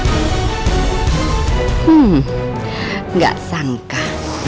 kami akan menemukan sesosok yang mencurigakan yang ada di depur kami